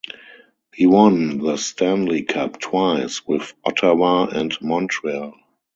He won the Stanley Cup twice, with Ottawa and Montreal.